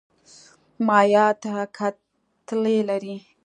مایعات کتلې لري.